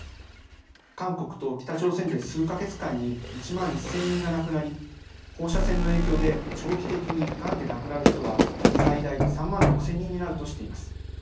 韓国と北朝鮮で数か月間に１万１０００人が亡くなり放射線の影響で、長期的にがんで亡くなる人は最大３万６０００人になるとしています。